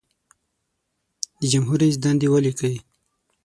د جمهور رئیس دندې ولیکئ.